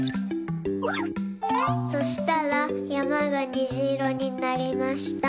そしたらやまがにじいろになりました。